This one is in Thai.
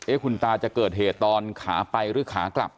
คุณตาจะเกิดเหตุตอนขาไปหรือขากลับ